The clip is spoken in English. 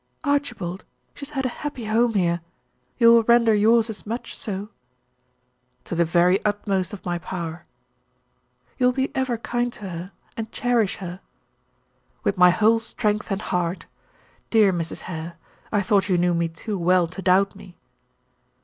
"Archibald, she has had a happy home here; you will render yours as much so?" "To the very utmost of my power." "You will be ever kind to her, and cherish her?" "With my whole strength and heart. Dear Mrs. Hare; I thought you knew me too well to doubt me."